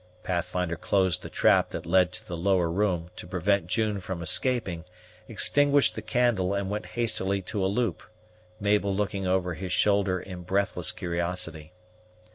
Pathfinder closed the trap that led to the lower room, to prevent June from escaping, extinguished the candle, and went hastily to a loop, Mabel looking over his shoulder in breathless curiosity.